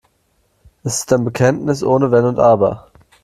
Es ist ein Bekenntnis ohne Wenn und Aber.